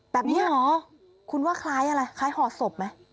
แบบนี้เหรอคุณว่าคล้ายอะไรคล้ายห่อศพไหม